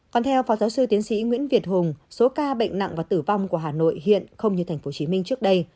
còn theo phó giáo sư tiến sĩ nguyễn việt hùng số ca bệnh nặng và tử vong của hà nội hiện không như thành phố chí minh trước đây